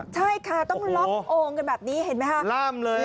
ใช่ค่ะต้องล็อกโอ่งกันแบบนี้เห็นไหมคะล่ามเลย